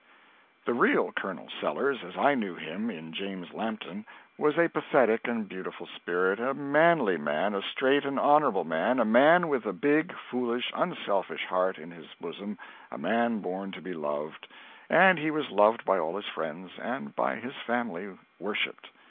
The real Colonel Sellers, as I knew him in James Lampton, was a pathetic and beautiful spirit, a manly man, a straight and honorable man, a man with a big, foolish, unselfish heart in his bosom, a man born to be loved; and he was loved by all his friends, and by his family worshipped.